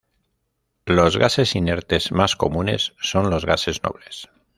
Los gases inertes más comunes son los gases nobles.